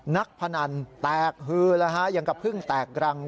นักพนันแตกฮือยังกับพึ่งแตกรัง